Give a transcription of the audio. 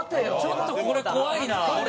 ちょっとこれ怖いな。